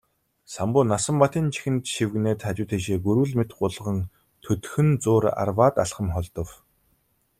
Самбуу Насанбатын чихэнд шивгэнээд хажуу тийшээ гүрвэл мэт гулган төдхөн зуур арваад алхам холдов.